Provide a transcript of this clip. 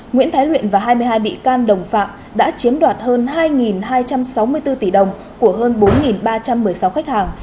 nguyễn thái luyện và hai mươi hai bị can đồng phạm đã chiếm đoạt hơn hai hai trăm sáu mươi bốn tỷ đồng của hơn bốn ba trăm một mươi sáu khách hàng